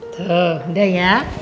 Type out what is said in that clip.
tuh udah ya